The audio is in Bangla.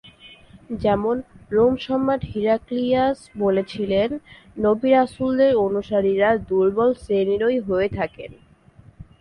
যেমনঃ রোম সম্রাট হিরাক্লিয়াস বলেছিলেন, নবী-রাসূলদের অনুসারীরা দুর্বল শ্রেণীরই হয়ে থাকেন।